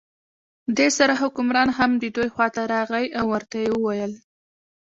دې سره حکمران هم د دوی خواته راغی او ورته یې وویل.